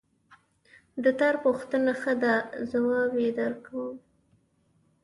د تا پوښتنه ښه ده ځواب یې درکوم